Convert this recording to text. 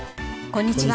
こんにちは。